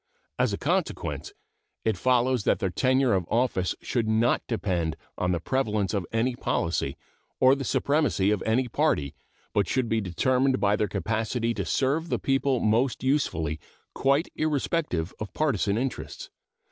As a consequence it follows that their tenure of office should not depend on the prevalence of any policy or the supremacy of any party, but should be determined by their capacity to serve the people most usefully quite irrespective of partisan interests.